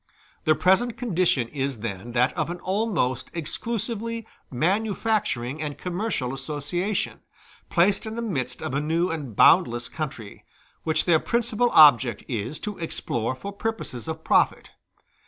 Their present condition is then that of an almost exclusively manufacturing and commercial association, placed in the midst of a new and boundless country, which their principal object is to explore for purposes of profit.